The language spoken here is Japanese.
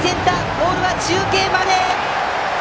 ボールは中継まで！